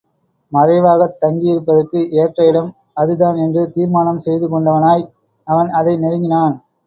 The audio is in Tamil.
மறைவாகத் தங்கியிருப்பதற்கு ஏற்ற இடம் அதுதான் என்று தீர்மானம் செய்து கொண்டவனாய் அவன் அதை நெருங்கினான்.